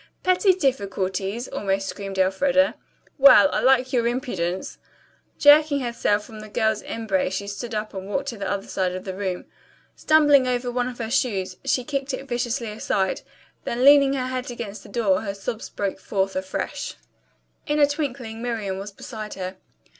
"'Petty difficulties!'" almost screamed Elfreda. "Well, I like your impudence." Jerking herself from the girls' embrace she stood up and walked to the other side of the room. Stumbling over one of her shoes she kicked it viciously aside, then, leaning her head against the door, her sobs broke forth afresh. In a twinkling Miriam was beside her.